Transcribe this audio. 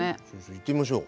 いってみましょう。